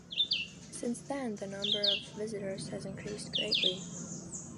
Since then, the number of visitors has increased greatly.